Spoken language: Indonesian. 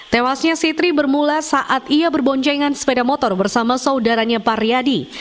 tewasnya sitri bermula saat ia berboncengan sepeda motor bersama saudaranya paryadi